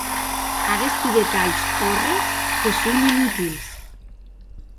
Aguesti detalhs òrres que son inutils.